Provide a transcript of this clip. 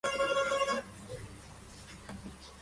Distribuye mucha de la literatura en formato pdf en su website.